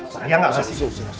saya tidak ingin pergi